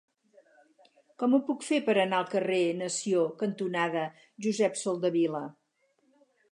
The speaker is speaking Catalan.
Com ho puc fer per anar al carrer Nació cantonada Josep Soldevila?